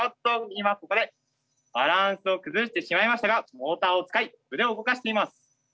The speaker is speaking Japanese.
今ここでバランスを崩してしまいましたがモーターを使い腕を動かしています。